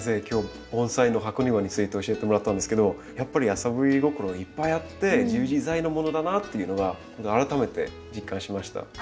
今日盆栽の箱庭について教えてもらったんですけどやっぱり遊び心いっぱいあって自由自在のものだなっていうのが改めて実感しました。